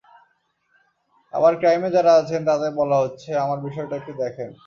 আবার ক্রাইমে যাঁরা আছেন, তাঁদের বলা হচ্ছে আমার বিষয়টা একটু দেখেন।